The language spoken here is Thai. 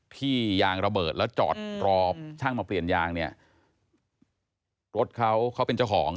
ที่ยางระเบิดแล้วจอดรอช่างมาเปลี่ยนยางเนี่ยรถเขาเขาเป็นเจ้าของ